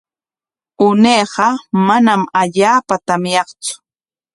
Unayqa manam allaapa tamyaqtsu.